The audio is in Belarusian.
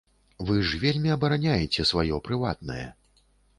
Вы ж вельмі абараняеце сваё прыватнае.